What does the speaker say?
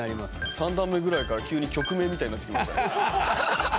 ３段目ぐらいから急に曲名みたいになってきました。